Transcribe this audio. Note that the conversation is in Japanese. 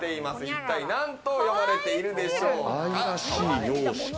一体何と呼ばれているでしょうか？